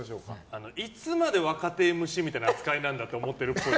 いつまで若手ＭＣみたいな扱いなんだと思ってるっぽい。